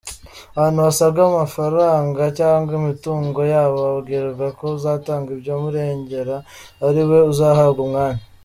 Abantu basabwa amafaranga cyangwa imitungo yabo babwirwa ko uzatanga ibyumurengera ari we uzahabwa umwanya